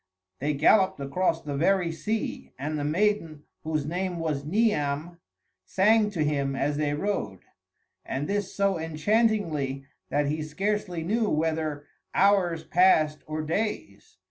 They galloped across the very sea, and the maiden, whose name was Niam, sang to him as they rode, and this so enchantingly that he scarcely knew whether hours passed or days.